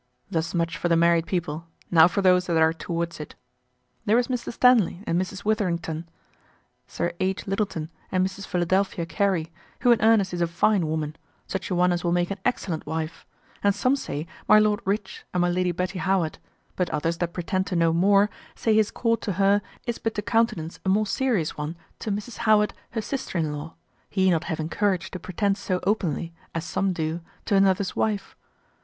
Thus much for the married people, now for those that are towards it. There is Mr. Stanley and Mrs. Witherington; Sir H. Littleton and Mrs. Philadelphia Carey, who in earnest is a fine woman, such a one as will make an excellent wife; and some say my Lord Rich and my Lady Betty Howard, but others that pretend to know more say his court to her is but to countenance a more serious one to Mrs. Howard, her sister in law, he not having courage to pretend so openly (as some do) to another's wife.